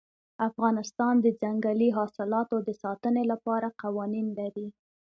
افغانستان د ځنګلي حاصلاتو د ساتنې لپاره قوانین لري.